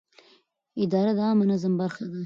اداره د عامه نظم برخه ده.